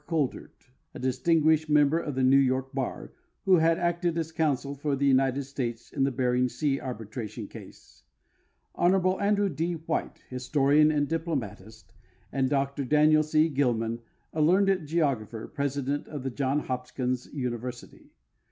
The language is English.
Coudert, a distinguished member of the New York bar, who had acted as counsel for the United States in tlie Bering Sea arbitra tion case ; Hon. Andrew D.White, historian and diplomatist, and Dr Daniel C. Gilman, a learned geographer, president of the Johns Hopkins University.